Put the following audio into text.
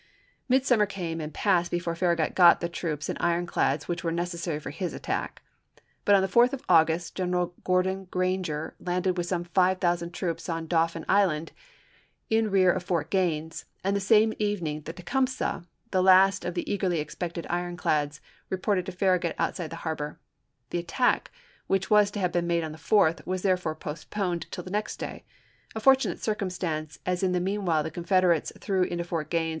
Midsummer came and passed before Farragut got the troops and ironclads which were necessary for 1864. his attack; but on the 4th of August, General Gordon Granger landed with some 5000 troops on Dauphin Island, in rear of Fort Gaines, and the same evening the Tecumseh, the last of the eagerly expected ironclads, reported to Farragut outside the harbor. The attack, which was to have been made on the 4th, was therefore postponed till the Farragut nex^ ^ay — a fortunate circumstance, as in the *itepJrt8' meanwhile the Confederates threw into Fort Gaines o!